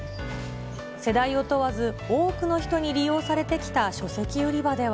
世代を問わず、多くの人に利用されてきた書籍売り場では。